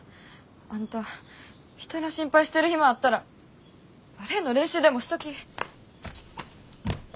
あんた人の心配してる暇あったらバレエの練習でもしとき！